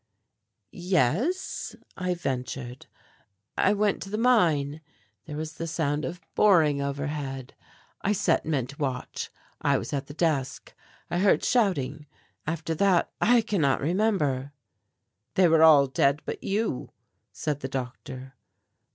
"Yes," I ventured, "I went to the mine, there was the sound of boring overhead. I set men to watch; I was at the desk, I heard shouting, after that I cannot remember." "They were all dead but you," said the doctor.